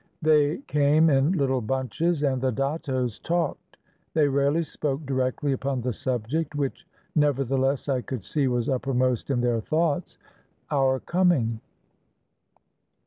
They came in little bunches, and the dattos talked. They rarely spoke directly upon the subject which nev ertheless I could see was uppermost in their thoughts, — our coming.